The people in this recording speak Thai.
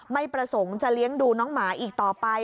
ไม่ประสงค์จะเลี้ยงดูน้องหมาอีกต่อไป